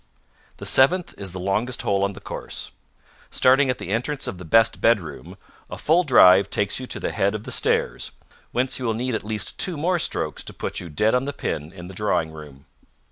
The seventh is the longest hole on the course. Starting at the entrance of the best bedroom, a full drive takes you to the head of the stairs, whence you will need at least two more strokes to put you dead on the pin in the drawing room.